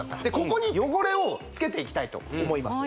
ここに汚れをつけていきたいと思います